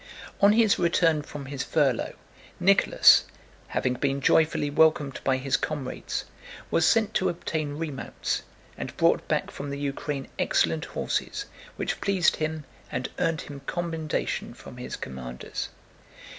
On his return from his furlough Nicholas, having been joyfully welcomed by his comrades, was sent to obtain remounts and brought back from the Ukraine excellent horses which pleased him and earned him commendation from his commanders.